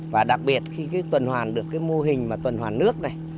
và đặc biệt khi tuần hoàn được cái mô hình mà tuần hoàn nước này